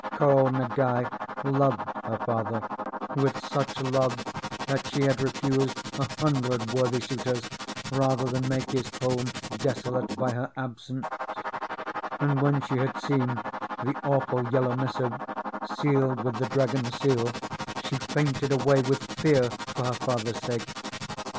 Ko Ngai loved her father with such love that she had refused a hundred worthy suitors rather than make his home desolate by her absence; and when she had seen the awful yellow missive, sealed with the Dragon Seal, she fainted away with fear for her father's sake.